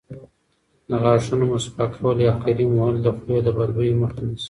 د غاښونو مسواک کول یا کریم وهل د خولې د بدبویۍ مخه نیسي.